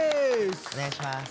お願いします。